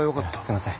すいません。